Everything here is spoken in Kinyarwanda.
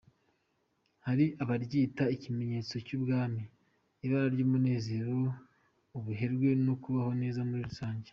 Hari abaryita ikimenyetso cy’ubwami, ibara ry’umunezero, ubuherwe no kubaho neza muri rusange.